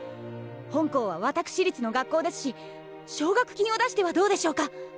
本校は私立の学校ですし奨学金を出してはどうでしょうか？